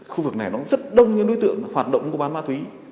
khu vực này nó rất đông những đối tượng hoạt động mua bán ma túy